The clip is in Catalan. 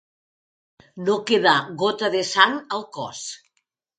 No quedar gota de sang al cos.